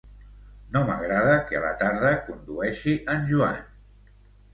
No m'agrada que a la tarda condueixi en Joan